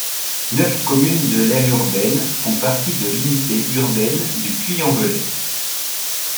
Neuf communes de l'aire urbaine font partie de l'unité urbaine du Puy-en-Velay.